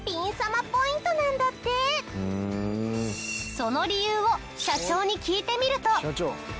その理由を社長に聞いてみると。